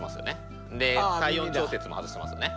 で体温調節も外してますよね。